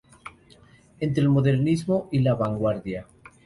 Entre el modernismo y la vanguardia".